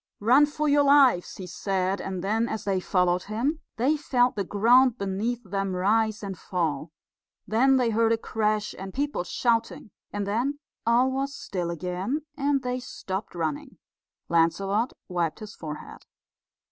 "Run for your lives," he said, and then, as they followed him, they felt the ground beneath them rise and fall. Then they heard a crash, and people shouting, and then all was still again, and they stopped running. Lancelot wiped his forehead.